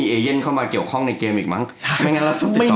แค่ในอนาคตอย่างเงี้ยหรอ